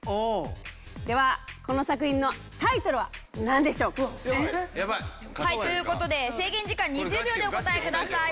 ではこの作品のタイトルはなんでしょう？という事で制限時間２０秒でお答えください。